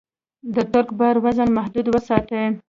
د ټرک بار وزن محدود وساتئ.